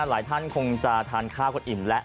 หลายท่านคงจะทานข้าวกันอิ่มแล้ว